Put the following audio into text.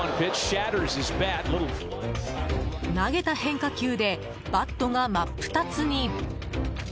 投げた変化球でバットが真っ二つに。